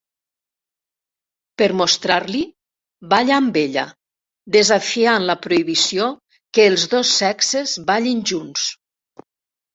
Per mostrar-li, balla amb ella, desafiant la prohibició que els dos sexes ballin junts.